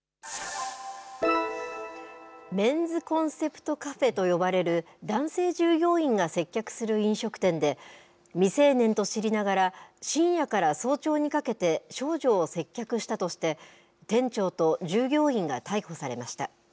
メンズコンセプトカフェと呼ばれる、男性従業員が接客する飲食店で、未成年と知りながら、深夜から早朝にかけて少女を接客したとして、店長と従業員が逮捕されました。